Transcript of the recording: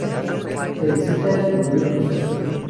Teresita del Niño Jesús.